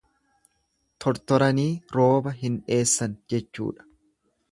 Tortoranii rooba hin dheessan jechuudha.